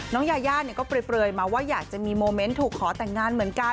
น้องยาก็เปรียบมาว่าอยากจะมีโมเมนต์ถูกขอแต่งงานเหมือนกัน